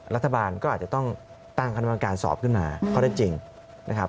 รัฐบาลก็อาจจะต้องตั้งคณะกรรมการสอบขึ้นมาข้อได้จริงนะครับ